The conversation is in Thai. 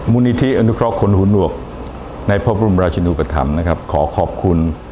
มูลนิธิอนุคระคลุณหุ้นหนวกในพระบุรุณราชนูปฐัมฯขอขอบคุณ